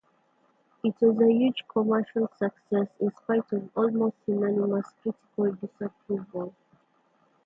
It was a huge commercial success in spite of almost unanimous critical disapproval.